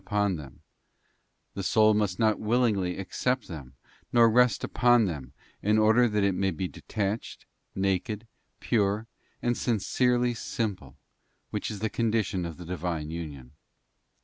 upon them; the soul must not willingly accept them, nor ———— rest upon them, in order that it may be detached, naked, pure, and sincerely simple, which is the condition of the Divine union.